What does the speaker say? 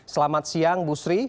selamat siang bu sri